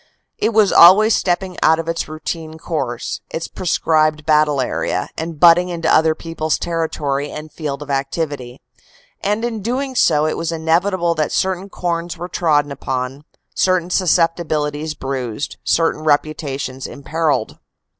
It was always stepping out of its routine course, its prescribed battle area, and butting into other people s territory and field of activity; and in so doing it was inevitable that certain corns were trodden upon, certain susceptibilities bruised, certain reputations imperilled.